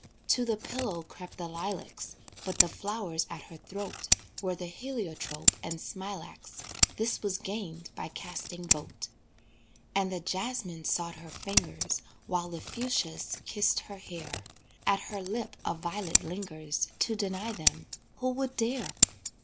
To the pillow crept the lilacs, But the flowers at her throat Were the heliotrope and smilax This was gained by casting vote And the jasmine sought her fingers, While the fuschias kissed her hair; At her lip a violet lingers To deny them, who would dare?